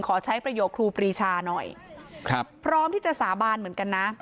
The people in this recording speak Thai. ขอใช้ประโยคครูปรีชาหน่อยครับพร้อมที่จะสาบานเหมือนกันนะ